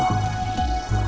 terima kasih pak chandra